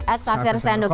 at safir senduk ya